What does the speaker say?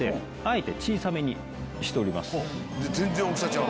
全然大きさ違う。